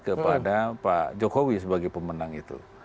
kepada pak jokowi sebagai pemenang itu